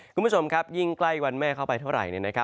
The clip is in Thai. คุณผู้ชมครับยิ่งใกล้วันแม่เข้าไปเท่าไหร่